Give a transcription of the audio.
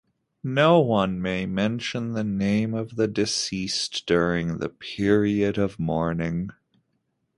No one may mention the name of the deceased during the period of mourning.